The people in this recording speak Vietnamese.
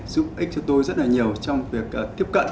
giúp ích cho tôi rất là nhiều trong việc tiếp cận